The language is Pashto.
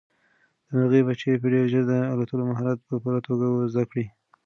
د مرغۍ بچي به ډېر ژر د الوتلو مهارت په پوره توګه زده کړي.